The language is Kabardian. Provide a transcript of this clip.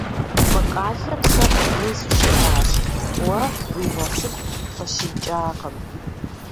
Мы къалэм сэ къулей сыщыхъуащ, уэ уи насып къыщикӏакъым.